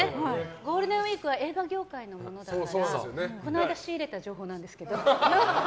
ゴールデンウィークは映画業界のものだからこの間仕入れた情報なんですけど。